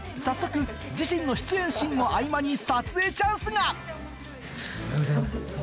早速自身の出演シーンの合間に撮影チャンスが！